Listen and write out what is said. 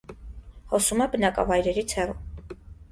Հոսում է բնակավայրերից հեռու։